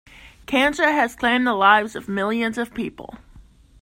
Cancer has claimed the lives of millions of people.